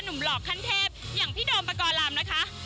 หนุ่มหลอกขั้นเทพอย่างพี่โดมปกรรมนะคะ